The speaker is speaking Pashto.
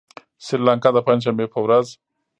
سريلانکا د پنجشنبې په ورځ